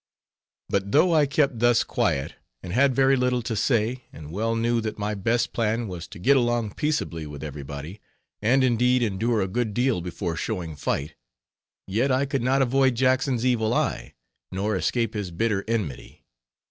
_ But though I kept thus quiet, and had very little to say, and well knew that my best plan was to get along peaceably with every body, and indeed endure a good deal before showing fight, yet I could not avoid Jackson's evil eye, nor escape his bitter enmity.